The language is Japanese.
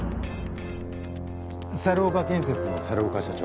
猿岡建設の猿岡社長。